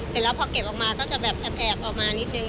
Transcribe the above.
เสร็จแล้วพอเก็บออกมาก็จะแบบแอบออกมานิดนึง